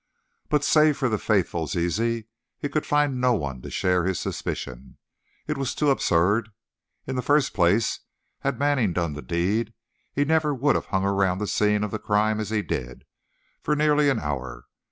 But, save for the faithful Zizi, he could find no one to share his suspicion. It was too absurd. In the first place, had Manning done the deed, he never would have hung around the scene of the crime as he did, for nearly an hour.